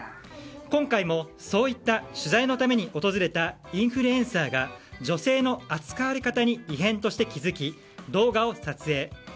今回もそういった取材のために訪れたインフルエンサーが女性の扱われ方に異変として気づき動画を撮影。